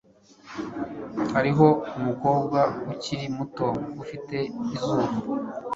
hariho umukobwa ukiri muto ufite izuru